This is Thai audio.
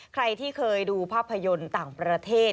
ใครที่เคยดูภาพยนตร์ต่างประเทศ